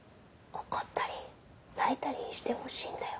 怒ったり泣いたりしてほしいんだよ。